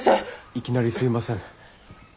いきなりすみません。